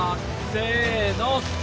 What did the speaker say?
せの！